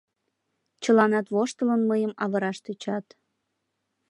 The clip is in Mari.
Чыланат, воштылын, мыйым авыраш тӧчат.